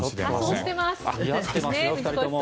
仮装してます。